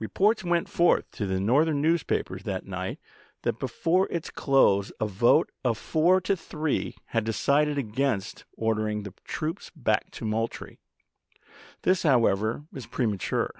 Reports went forth to the Northern A BLUNDERING COMMISSION 69 newspapers that night that before its close a vote of chap. v. four to three had decided against ordering the troops back to Moultrie. This, however, was premature.